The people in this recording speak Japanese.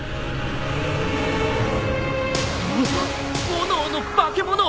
炎の化け物！？